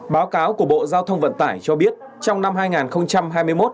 báo cáo của bộ giao thông vận tải cho biết trong năm hai nghìn hai mươi một